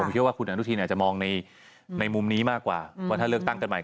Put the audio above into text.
ผมคิดว่าคุณอนุทินอาจจะมองในมุมนี้มากกว่าว่าถ้าเลือกตั้งกันใหม่